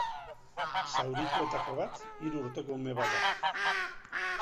Zaurituetako bat hiru urteko ume bat da.